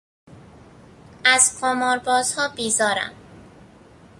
از قمار بازها بیزارم.